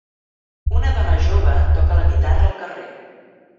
Una dona jove toca la guitarra al carrer